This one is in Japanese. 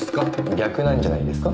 逆なんじゃないんですか？